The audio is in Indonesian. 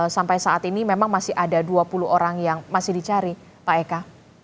sampai saat ini memang masih ada dua puluh orang yang masih dicari pak eka